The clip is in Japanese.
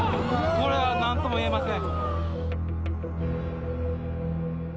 これは何とも言えません」。